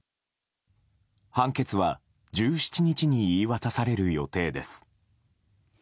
判決は１７日に言い渡される予定です。